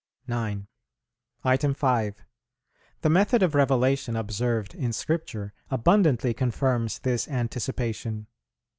9. 5. The method of revelation observed in Scripture abundantly confirms this anticipation.